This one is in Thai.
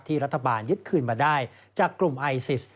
รัฐบาลยึดคืนมาได้จากกลุ่มไอซิส